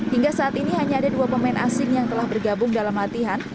hingga saat ini hanya ada dua pemain asing yang telah bergabung dalam latihan